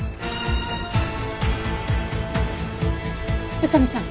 宇佐見さん。